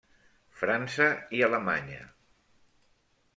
França i Alemanya.